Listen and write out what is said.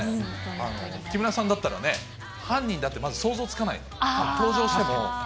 木村さんだったらね、犯人だってまず想像つかない、登場しても。